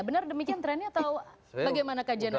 benar demikian trennya atau bagaimana kajian anda